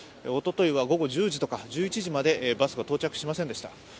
おとといは午後１０時とか１１時までバスは到着しませんでした。